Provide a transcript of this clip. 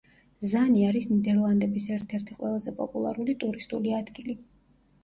ზანი არის ნიდერლანდების ერთ-ერთი ყველაზე პოპულარული ტურისტული ადგილი.